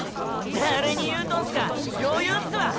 誰に言うとんすかヨユーすわ！！